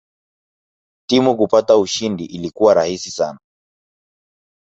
Timu kupata ushindi ilikuwa rahisi sana